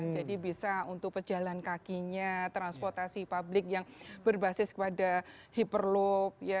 jadi bisa untuk pejalan kakinya transportasi publik yang berbasis kepada hyperloop